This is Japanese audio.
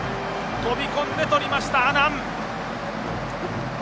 飛び込んでとりました阿南。